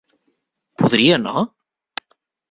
Podria, no?